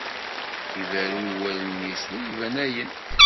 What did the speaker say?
Iberru i wallen-is ur iban ayen?